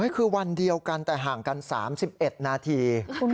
คือวันเดียวกันแต่ห่างกัน๓๑นาที